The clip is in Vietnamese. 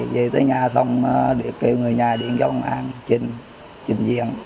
về tới nhà xong kêu người nhà điện cho công an trình diện